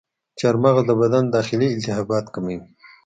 چارمغز د بدن داخلي التهابات کموي.